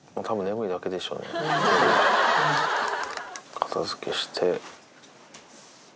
片付けして。